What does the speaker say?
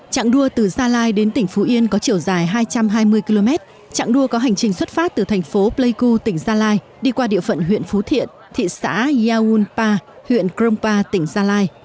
trạng đua từ gia lai đến tỉnh phú yên có chiều dài hai trăm hai mươi km trạng đua có hành trình xuất phát từ thành phố pleiku tỉnh gia lai đi qua địa phận huyện phú thiện thị xã yaunpa huyện krongpa tỉnh gia lai